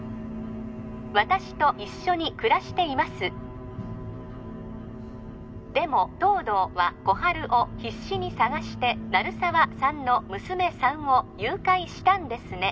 私と一緒に暮らしていますでも東堂は心春を必死に捜して鳴沢さんの娘さんを誘拐したんですね